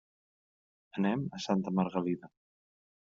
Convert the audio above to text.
Anem a Santa Margalida.